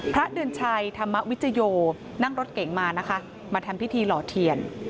พระเดือนชัยธรรมวิจโยนั่งรถเก๋งมานะคะมาทำพิธีหล่อเทียน